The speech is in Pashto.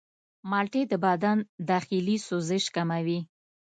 مالټې د بدن داخلي سوزش کموي.